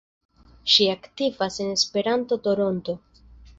Ŝi aktivas en Esperanto-Toronto.